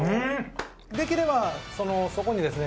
できればそこにですね